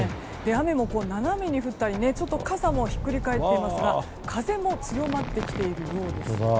雨も斜めに降ったり傘もひっくり返っていますが風も強まってきているようです。